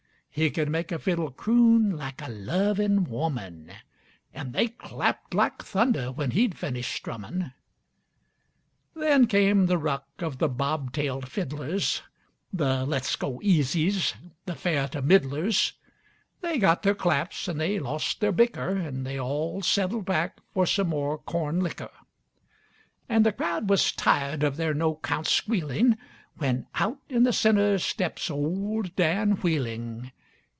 He could make a fiddle croon like a lovin' woman. An' they clapped like thunder when he'd finished strummin'. Then came the ruck of the bob tailed fiddlers, The let's go easies, the fair to middlers. They got their claps an' they lost their bicker, An' they all settled back for some more corn licker. An' the crowd was tired of their no count squealing, When out in the center steps Old Dan Wheeling.